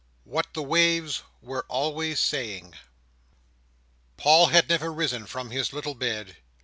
What the Waves were always saying Paul had never risen from his little bed.